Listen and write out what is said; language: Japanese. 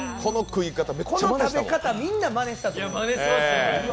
この食べ方、みんなまねしたと思う。